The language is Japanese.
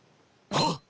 あっ！